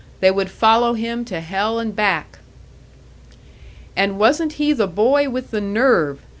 They would follow him to hell and back! And wasn't he the boy with the nerve!